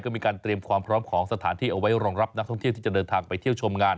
ก็มีการเตรียมความพร้อมของสถานที่เอาไว้รองรับนักท่องเที่ยวที่จะเดินทางไปเที่ยวชมงาน